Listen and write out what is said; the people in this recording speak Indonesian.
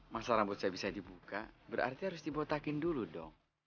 masa rambut saya bisa dibuka berarti harus dibotakin dulu dong